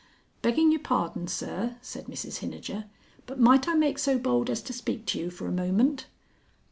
"Begging your pardon, Sir," said Mrs Hinijer. "But might I make so bold as to speak to you for a moment?"